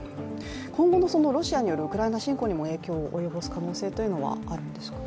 今後のロシアによるウクライナ侵攻にも影響を及ぼす可能性はあるんですか？